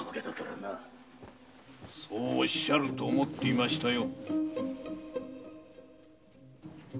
そうおっしゃると思っていましたよ。